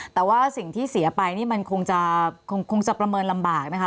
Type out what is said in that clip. แต่ว่าสิ่งที่เสียไปนี่มันคงจะคงจะประเมินลำบากนะคะ